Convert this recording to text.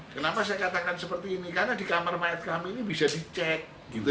kenapa saya katakan seperti ini karena di kamar mayat kami ini bisa dicek